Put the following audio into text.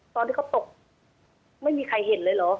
ตอนที่เขาตกไม่มีใครเห็นเลยเหรอ